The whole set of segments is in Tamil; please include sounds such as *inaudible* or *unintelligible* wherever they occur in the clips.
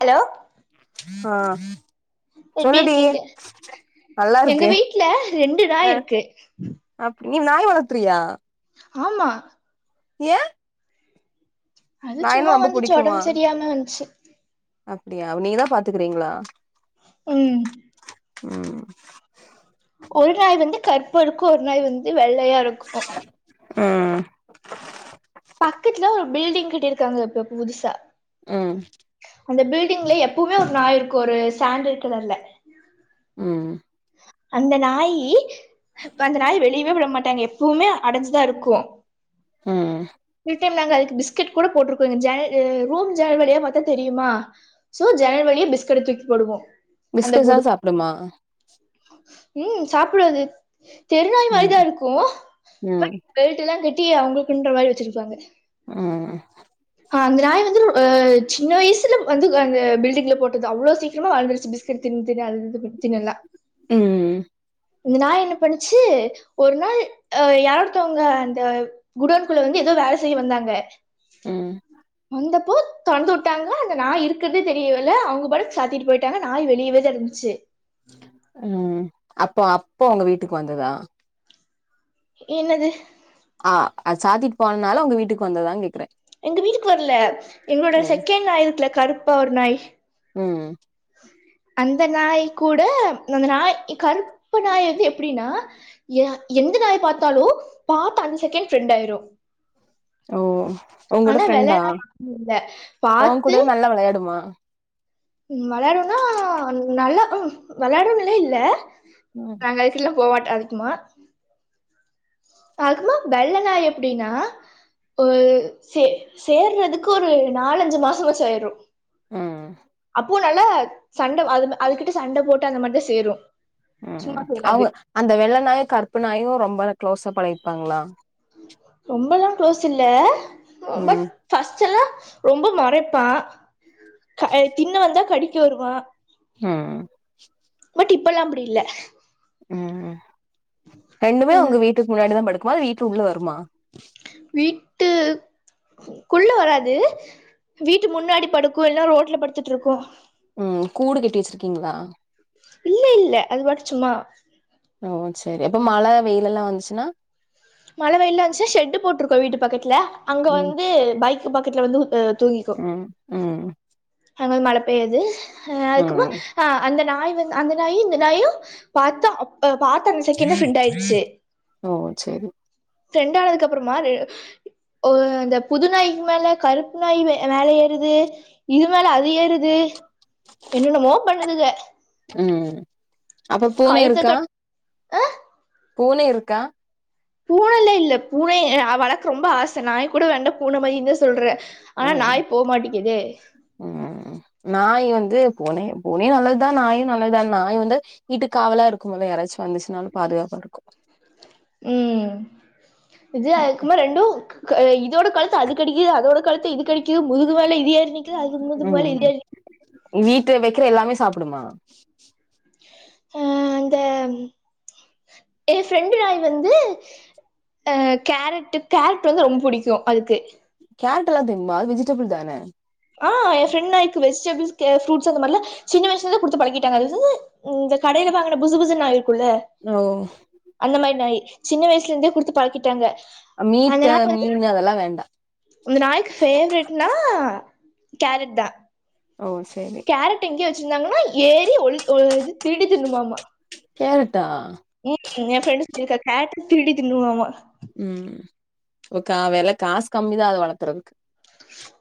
ஹலோ ஆ எப்டி சொல்லுடி இருக்கீங்க நல்லா எங்க இருக்கு வீட்டு்ல ரெண்டு நாய் இருக்கு அப்டி நீ நாய் வளத்துருறியா ஆமா ஏயே அது சும்மா ரொம்ப வந்துச்சி புடிக்குமா ஒடம்பு செரியாம வந்துச்சி அப்டியா நீ தா பாத்துக்கறீங்களா ம் ம் ஒரு நாய் வந்து கருப்பா இருக்கு ஒரு நாய் வந்து வெள்ளையா இருக்கு ம் பக்கத்துல ஒரு பில்டிங் கட்டியிருக்காங்க இப்ப புதுசா ம் அந்த பில்டிங்ல எப்பவுமே ஒரு நாய் இருக்கு ஒரு சாண்டல் கலர்ல ம் ம் அந்த நாயி இப்ப அந்த நாய வெளிவே விட மாட்டாங்க எப்பவுமே அடைஞ்சுதா இருக்கு ம் எப்பயும் நாங்க அதுக்கு பிஸ்கெட் கூட போட்டிருக்கோ எங்க ஜன்ன ரூம் ஜன்னல் வழியா பாத்தா தெரியுமா சோ ஜன்னல் வழியே பிஸ்கெட்ட தூக்கி போடுவோ அந்த பிஸ்கட் கூடு தா சாப்புடுமா ம் சாப்புடு ஆது தெருநாய் ம் மாரிதா இருக்கு ம் பெல்ட்டுல்லா கட்டி அவுங்களுக்குன்ற மாரி வெச்சிருப்பாங்க ம் அந்த நாய் வந்து சின்னவயசுல வந்து அந்த பில்டிங்ல போட்டது அவ்ளோ சீக்கிரமா வளந்துருச்சி பிஸ் பிஸ்கட் தின்னு தின்னு அது இது போட்டு தின்னு நல்லா ம் இந்த நாய் என்ன பண்ணுச்சி ஒரு நாள் ஆ யாரோ ஒருத்தவங்க அந்த குடோன்குள்ள வந்து ஏதோ வேல செய்ய வந்தாங்க ம் வந்தப்போ தொறந்து உட்டாங்க அந்த நாய் இருக்கறதே தெரியல அவங்க பாட்டுக்கு சாத்திட்டு போயிட்டாங்க நாய் வெளியவேதா இருந்துச்சி ம் அப்போ அப்போ உங்க வீட்டுக்கு வந்ததா என்னது ஆ அத சாத்திட்டு போனால உங்க வீட்டுக்கு வந்ததான்னு கேக்குறே எங்க வீட்டுக்கு வரல எங்களோட ம் செகண்ட் நாய் இருக்குல கருப்பா ஒரு நாய் ம் அந்த நாய் கூட அந்த நாய் கருப்பு நாய் வந்து எப்டின்னா ஏய் எந்த நாய் பாத்தாலு பாத்த அந்த செகண்ட் ஃப்ரெண்ட் ஆயிரு ஓ உங்கூட ஆனா வெள்ள ஃப்ரெண்டா நாய் அப்டி இல்ல உன் கூட பாத்து நல்லா வெளையாடுமா ம் வெளையாடும்னா நல்லா ம் வெளையாடுன்னு இல்ல ம் நாங்க அதுக் கூடல்லா போ மாட்டோ அதிகமா அததுமா வெள்ளநாய் எப்டின்னா ஒரு சே சேர்றதுக்கு ஒரு நாலஞ்சு மாசமாச்சி ஆயிரு ம் ம் பூ நல்ல சண்ட அதும் அதுகிட்ட சண்ட போட்டு அந்த மார் தா சேரு சும்மா ம்ம் சேராது அவங்க அந்த வெள்ள நாயு கற்பு நாயு ரொம்ப க்ளோஸா பழிர்ப்பாங்ளா ரொம்பல்லா க்ளோஸ் இல்ல உ பட் ம் ஃபஸ்ட் எல்லா ரொம்ப முறைப்பா கய் தின்ன வந்தா கடிக்க வருவா ம் பட் இப்பல்லா அப்டி இல்ல ம்ம் ரெண்டுமே உங்க வீட்டுக் முன்னாடிதா படுக்குமா வீட்டு உள்ள வருமா வீட்டு குள்ள வராது வீட்டு முன்னாடி படுக்கு இல்னா ரோட்ல படுத்துட்ருக்கு ம் கூடு கட்டி வச்சிர்க்கீங்ளா இல்ல இல்ல அது பாட்டுக் சும்மா ஓ சரி அப்ப மழ வெயில் எல்லா வந்துச்சுன்னா மழ வெயிலாந்ச்சா ஷெட்டு போட்ருக்கோ வீட்டு பக்கத்துல அங்க ம் வந்து பைக் பக்கத்துல வந்து அ தூங்கி ம் ம் அங் வந் மழ பெய்யாது ஹ அதுக்கபோ ம் ஆ அந்த நாய் வந்த் அந்த நாயி இந்த நாயு பாத்தா அப் அ பாத்த அந்த செகண்டே ஃப்ரெண்ட் ஆயிர்ச்சே ஓ ச்சரி ஃப்ரெண்டானதுக்கப்றமா ரெ உ அந்த புதுநாய்க் மேல கருப்பு நாய் வே வேல ஏறுது இது மேல அது ஏறுது என்னன்னமோ பண்ணுதுக ம் அப்ப பூனை கழுத்த இருக்கா கட் பூனை இருக்கா பூனைல்ல இல்ல பூனை எ வழக் ரொம்ப ஆச நாய் கூட வேண்ட பூன மதி இந்தா சொல்ற ஆனா நாய் போ மாட்டிக்கிதே ம்ம்ம் நாய் வந்து பூனே பூனையு நல்லத்தா நாயும் நல்லத்தா நாய் வந்து வீட்டுக்காவலா இருக்கும்மொலே யாராச் வந்துச்னாலு பாதுகாப்பா ருக்கு ம் விஜய் ஆயக்குமா ரெண்டு க அ இதோட கல்த்து அது கடிக்கிது அதோட கல்த்து இது கடிக்குது முதுகு மேல இது ஏறு உம் வீட்டு வெக்ற எல்லாமே சாப்டுமா அ அந்தம் எ ஃப்ரெண்டு ராய் வந்து அ கேரட்டு கேரட் வந்து ரொம் புடிக்கு அதுக்கு கேரட் எல்லா திம்பா வெஜிடபிள் தானே ஆ எ ஃப்ரெண் நாய்க்கு வெஜ்டெபிள்ஸ் கே ஃப்ரூட்ஸ் அந்த மாரில்ல சின்ன வயசுலது குடுத்து பழகிட்டாங்க அதுதுது இந்த கடைல வாங்குன புசு புசு நாய் இருக்குல்ல நோ அந்த மார் நாயி சின்ன வயசுல இந்தே குடுத்து பழக்கிட்டாங்க அ மீட்ட மீன் அதெல்லா வேண்டா இந்த நாாய்க் ஃபேவ்ரெட்னா கேரட் தா ஓ சரி கேரட் எங்க்யோ வச்சிந்தாங்கன்னா ஏறி ஒழு ஒல் இது திருடி தின்னுமாமா கேரட்டா உம் என் ஃப்ரெண்டு ஸ்னிக்கா கேட்டு திருடி தின்னுமாமா ம் ஒ கா வில காஸ் கம்மிதா அத வளக்குறதுக்கு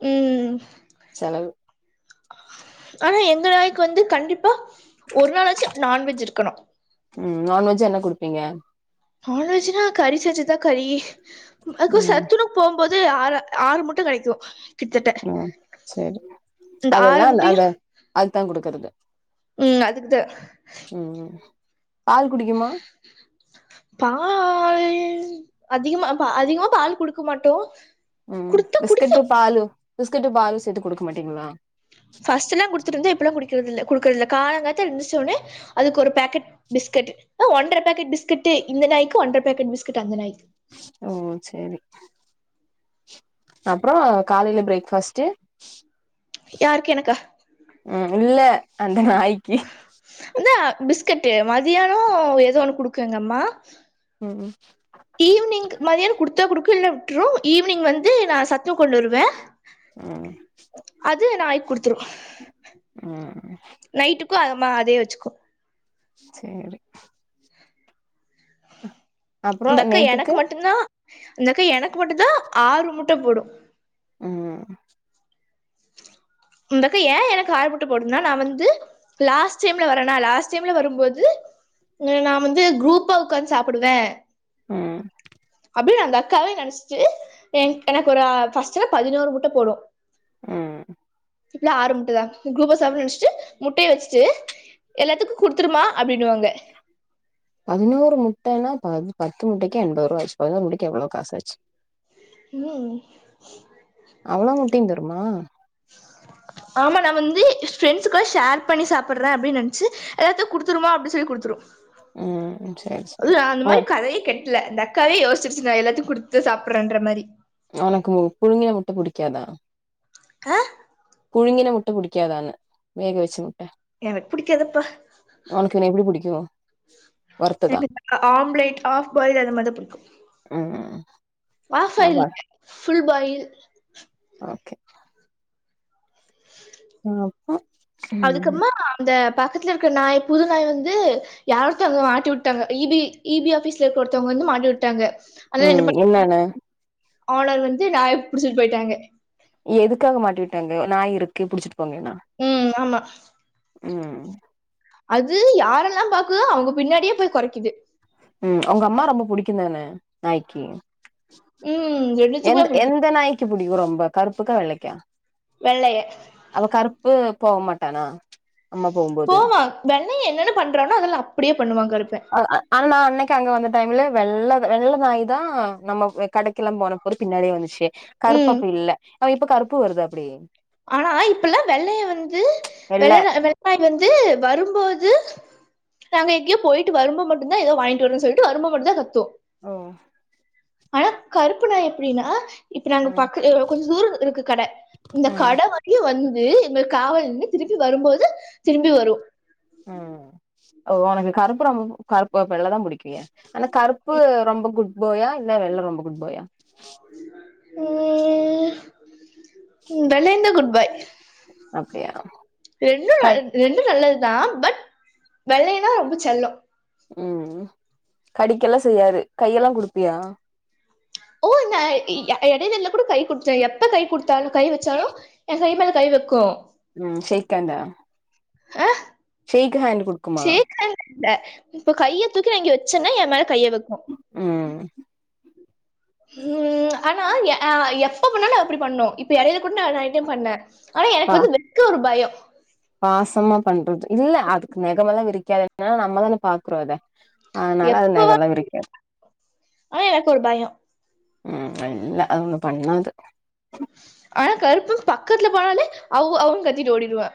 ம் செலவு ஆனா எங்க நாய்க்கு வந்து கண்டிப்பா ஒரு நாளாச்சு நான்வெஜ் இருக்கணு ம் நான்வெஜ்ஜு என்ன குடுப்பீங்க நான் வெஜ் நா கறி செஞ்சுதா கறி அதுக்கு ம் சத்துணவு போம்போது ஆறு ஆறு முட்ட கெடைக்கு கிட்டத்தட்ட ம் செரி இந்த ஆறு அதெல்லா அந்த முட்டையு அந்த அதுத்தா குடுக்குறது ம் அதுக்குத்தா ம் ம் பால் குடிக்குமா பால் அதிகமா பா அதிகமா பால் குடுக்க மாட்டோ ம் குடுத்தா பிஸ்கட்டு குடிக்கு பாலு பிஸ்கட்டு பாலு சேத்து குடுக்க மாட்டீங்களா பஸ்ட்டுல்லா குடுத்துட்ருந்தே இப்பல்லா குடிக்கிறதுல்ல குடுக்குறதுல்ல காலங் காத்தால எந்துருச்சோன்னே அதுக்கொரு பேக் க்கட் பிஸ்கட்டு ஒன்றர பேக்கெட் பிஸ்கட்டு இந்த நாய்க்கு ஒன்ற பேக்கெட் பிஸ்கட்டு அந்த நாய்க்கு ஓ ஓ செரி அப்பறோ காலையில ஃப்ரேக் ஃபாஸ்ட்டு யாருக்கு எனக்கா ம் இல்ல அந்த நாய்க்கி அந்தா பிஸ்கட்டு் மதியானோ எதோ ஒண்ணு குடுக்கு எங்க அம்மா ம் ம் ஈவினிங் மதியானோ குடுத்தா குடுக்கு இல்ல விட்டுரு ஈவ்னிங் வந்து நா சத்துணவு கொண்டு வருவே ஆ அது நாய்க் குடுத்துரு ம் நைட்டுக்கு அதுமா அதே வச்சுக்கு சேரி அப்றோ இந்த அக்கா எனக்கு நைட்டுக்கு மட்டுந்தா இந்தக்கா எனக்கு மட்டுந்தா ஆறு முட்ட போடும் ம் ம் இந்தக்கா ஏ எனக்கு ஆறு முட்ட போடுதுன்னா நா வந்து லாஸ்ட் டைம்ல வரனா லாஸ்ட் டைம்ல வரும்போது நா வந்து குரூப்பா உக்காந்து சாப்புடுவே ம் அப்டின் அந்த அக்காவே நெனச்சுட்டு என்க் எனக்கு ஒரு ஆ ஃபஸ்ட்டு பதினோரு முட்ட போடு ம் இல்ல ஆறு முட்டதா குரூப்பா சாப்புடன்னு நெனச்சுட்டு முட்டைய வச்சுட்டு எல்லாத்துக்கு குடுத்துரும்மா அப்டின்னுவாங்க பதினோரு முட்டேன்னா ப பத்து முட்டைக்கே எண்பது ரூவா ஆச்சு பதினோரு முட்டைக்கி எவ்ளோ காசாச்சு ம் அவ்ளோவு முட்டையு தருமா ஆமா நா வந்து ஃப்ரெண்ட்ஸ் கூட ஷேர் பண்ணி சாப்புட்றே அப்டின்னு நெனைச்சு எல்லாத்தையு குடுத்துரும்மா அப்டி சொல்லி குடுத்துரு ம் சேரி அது சேரி அந்த உன மாரி கதையே கெட் ல்ல அந்த அக்காவே யோசுருச்சு நா எல்லாத்தையு குடுத்து சாப்புடுறேன்ற மாரி அவனுக்கு புழுங்கிய முட்ட புடிக்காதா அ புழிங்கின முட்ட புடிக்காதான்னே வேக வச்சு முட்ட எனக்கு புடிக்காதுப்பா ஒனக்கு என்ன எப்டி புடிக்கு வறுத்ததா எனக்கு பாத்திங்னா ஆம்லேட் ஆஃப் பாயில் அது மாரிதா புடிக்கு ம் ஆஃப்ஃபாயில் அவா ஃபுல் பாயில் ஓகே அப்போ ம் அதுக்கம்மா அந்த பக்கத்துல இருக்க நாய் புது நாய் வந்து யாரொத்தங்க மாட்டி உட்டாங்க இ பி இ பி ஆஃபிஸ்ல இருக்க ஒருத்தோங்க வந்து மாட்டி உட்டாங்க அதா என்ன ம் ப என்னன்னு ஓனர் வந்து நாய புடிச்சிட்டு போயிட்டாங்க எதுக்காக மாட்டி விட்டாங்க நாய் இருக்கு புடிச்சிட்டு போங்கன்னா ம் ஆமா ம் அது யாரெல்லா பாக்குதோ அவுங்க பின்னாடியே போய் கொறைக்குது ம் அவுங்க அம்மா ரொம்ப புடிக்குந்தான நாய்க்கு ம் *unintelligible* எந்த எந்த நாய்க்கு புடிக்கு ரொம்ப கருப்புக்கா வெள்ளைக்கா வெள்ளைய அவ கருப்பு போவ மாட்டானா அம்மா போம்போது போவா வெள்ளைய என்னென்ன பண்றான்னோ அதெல்லா அப்படியே பண்ணுவா கருப்ப ஆனா நா அன்னைக்கு அங்க வந்த டைம்ல வெள்ள வெள்ள நாய் தா நம்ம கடைக்கெல்லா போன போது பின்னாடியே வந்துச்சே கருப்பு ம் அப்ப இல்ல ஆனா இப்ப கருப்பு வருதா அப்படி ஆனா இப்பெல்லா வெள்ளைய வந்து வெள்ள வெள்ளநா வெள்ளநாய் வந்து வரும்போது நாங்க எங்யோ போய்ட்டு வரும்போ மட்டுதா ஏதோ வாங்கிட்டு வரோன் சொல்லிட்டு வரும்போ மட்டு தா கத்து ஓ ஆனா கருப்புநாய் எப்டின்னா இப்ப நாங்க ம் பக்க கொஞ்ச தூரோ இருக்கு கட இந்த ம் கட வரியு வந்து எங்களுக் காவலிந்து திரும்பி வரும்போது திரும்பி வரு ம் ஒனக்கு கருப்பு ரொம் கருப்பு அப்ப வெள்ள தா புடிக்குலியா ஆனா கருப்பு ரொம்ப குட் பாயா இல்ல வெள்ள ரொம்ப குட் பாயா ம் வெள்ளையந்தா குட் பாய் அப்டியா ரெண்டு ரெண்டு நல்லது தா பட் வெள்ளையன்தா ரொம்ப செல்லோ ம் ம் கடிக்கெல்லா செய்யாது கையெல்லா குடுப்பியா ஓ நா எ எடைலல்ல கூடு கை குடுத்தே எப்ப கை குடுத்தாலு கை வெச்சாலு எ கை மேல கை வெக்கு ம் ஷேக்கண்ட அ ஷேக்ஹான்டு குடு ஷேக்ஹன்ட் இல்ல இப்ப கைய தூக்கி நா இங்க வெச்சன்னா என் மேல கைய வெக்கு ம் ம் ஆனா அ எப்ப பண்ணாலு அப்டி பண்ணு இப்ப எடைல கூட நா நெரைய டைம் பண்ண ஆனா எனக்கு பா வந்து வெக்க ஒரு பயோ பாசமா பண்றது இல்ல அதுக்கு நெகமெல்லா விரிக்காது எனா நம்ம தான பாக்கறோ அத அதனால அது எப்ப நெகல்லா விரிக்காது ஆனா எனக்கு ஒரு பயோ ம் இல்ல அது ஒன்னு பண்ணாது ஆனா கருப்பு பக்கத்துல போனாலே அவ் அவ்னு கத்திட்டு ஓடிருவா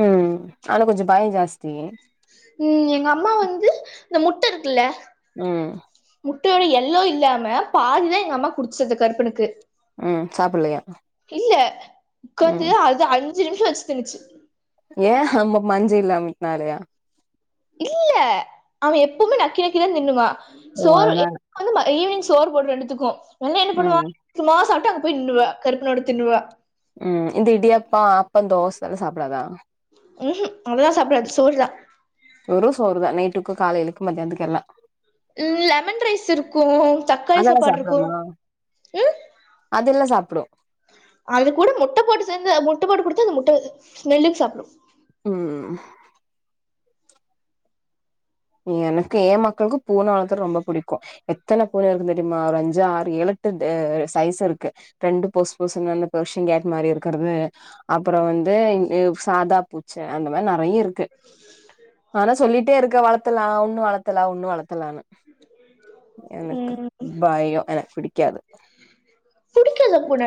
ம் ஆனா கொஞ்சோ பயோ ஜாஸ்தி ம் எங்க அம்மா வந்து இந்த முட்ட இருக்குல்ல ம் முட்டையோட எல்லோ இல்லாம பாதிதா எங்க அம்மா குடுத்துச்சு அந்த கருப்பனுக்கு ம் சாப்பில்லயா இல்ல உக்காந்து அது அஞ்சு நிம்ஷோ வெச்சு தின்னுச்சு ஏ ஆமா மஞ்சயில்லா மிட்னாலயா இல்ல அவ எப்பவுமே நக்கி நக்கிதா தின்னுவா ஓ சோறு எ அதனால வந்து ஈவினிங் சோரு போடு ரெண்டுத்துக்கு என்ன என்ன பண்ணுவா ம் மாசாட்டு அங்க போய் நின்னுருவ கருப்பனோட தின்னுருவ ம் இந்த இடியப்போ ஆப்போ தோசலா சாப்டாதா ம் ஹு அதெல்லா சாப்டாது சோறு தா வெறு சோறு தா நைட்டுக்கு காலைலைக்கு மந்தியானத்துக்குயெல்லா ம் லெமன் ரைஸ் இருக்கு தக்காளி அதெல்லா சாப்பாடு இருக்கு ம் அதுல்லா சாப்புடு அது கூட முட்ட போட்டு சேஞ்சா முட்ட போட்டு குடுத்து அந்த முட்ட ஸ்மெல்லுக்கு சாப்டும் ம் எனக்கு எ மக்களுக்கு பூன வளத்துறது ரொம்ப புடிக்கு எத்தன பூன இருக்குன் தெரிமா ஒரு அஞ்சு ஆறு ஏழு எட்டு சைஸ்ஸு இருக்கு ரெண்டு போஸ் போஸ்னு பெர்ஷியன் கேட் மாரி இருக்குறது அப்புறோ வந்து சாதா பூச்ச அந்த மாரி நறைய இருக் ஆனா சொல்லிட்டே இருக்க வளத்தலா ஒன்னு வளத்தலா ஒன்னு வளத்தலானு எனக்கு ம் பயோ எனக்கு பிடிக்காது நல்ல பூன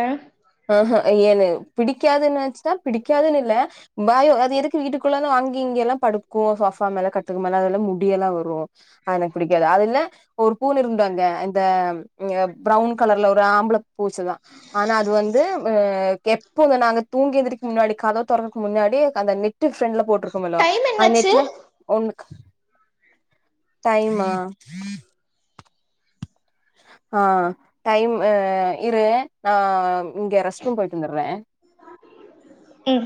ஆஹ எனக்கு பிடிக்காதுன் நெனச்ட்டா பிடிக்காதுன் இல்ல பயோ அது எதுக்கு வீட்டுக்குள்ளலா அங்கி இங்கயெல்லா படுக்கு சோஃபா மேலே கட்டல் மேல அதெல்லா முடியெல்லா வரு அது எனக்கு புடிக்காது அதுல ஒரு பூன இருந்து அங்க இந்த ப்ரவுன் கலர்ல ஒரு ஆம்பள பூச்சுதா ஆனா அது வந் து எப்போ நாங்க தூங்கியெந்திரிக்க முன்னாடி கதவ தொறக்க முன்னாடியே அந்த நெட்டு ஃபெருன்ட்ல போட்ருக்கோம்மல்ல டைம் அந் என்னாச்சு நெட்ல ஒன்னுகு டைமா ஆ டைம் ஆ இரு நா இங்க ரெஸ்ட்ரூம் போய்ட்டு வந்தற்ற ம்